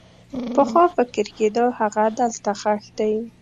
پخوا فکر کېده هغه دلته ښخ دی.